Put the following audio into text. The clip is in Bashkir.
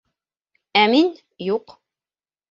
Ә мин - юҡ!